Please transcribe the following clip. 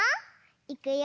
いくよ！